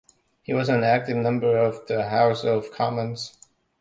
He was an active member of the House of Commons.